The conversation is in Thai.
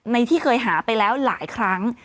ที่เคยหาไปแล้วหลายครั้ง